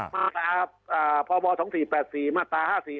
มาตราพบ๒๔๘๔มาตรา๕๔